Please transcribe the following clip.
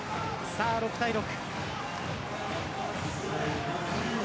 ６対６。